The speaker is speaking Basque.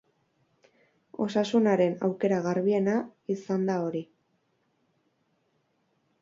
Osasunaren aukera garbiena izan da hori.